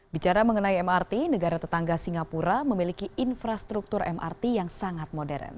bicara mengenai mrt negara tetangga singapura memiliki infrastruktur mrt yang sangat modern